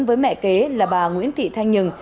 với mẹ kế là bà nguyễn thị thanh nhừng